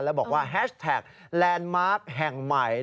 แล้วบอกว่าแฮชแท็กแลนด์มาร์คแห่งใหม่